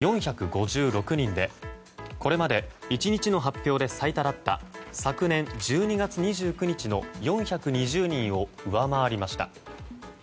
今日発表された全国の死亡者数は４５６人でこれまで１日の発表で最多だった昨年１２月２９日の４２０人を上回りました。